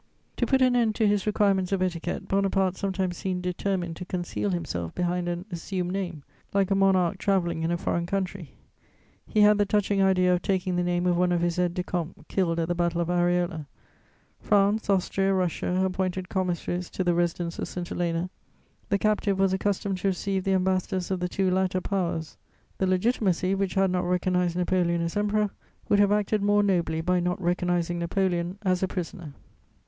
To put an end to his requirements of etiquette, Bonaparte sometimes seemed determined to conceal himself behind an assumed name, like a monarch travelling in a foreign country; he had the touching idea of taking the name of one of his aides de camp, killed at the Battle of Areola. France, Austria, Russia appointed commissaries to the residence of St. Helena: the captive was accustomed to receive the ambassadors of the two latter Powers; the Legitimacy, which had not recognised Napoleon as Emperor, would have acted more nobly by not recognising Napoleon as a prisoner.